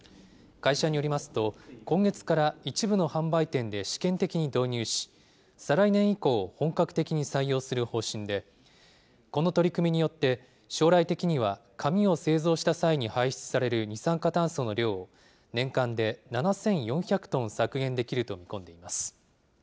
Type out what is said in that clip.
会社によりますと、今月から、一部の販売店で試験的に導入し、再来年以降、本格的に採用する方針で、この取り組みによって、将来的には、紙を製造した際に排出される二酸化炭素の量を、年間で７４００トン削減できると見込んでいます。